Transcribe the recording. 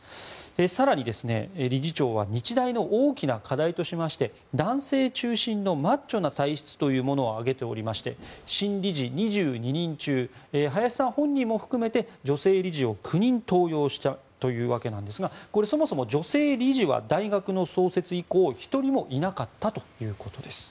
更に、理事長は日大の大きな課題としまして男性中心のマッチョな体質というものを挙げておりまして新理事２２人中林さん、本人も含めて女性理事を９人登用したというわけなんですがこれ、そもそも女性理事は大学の創設以降１人もいなかったということです。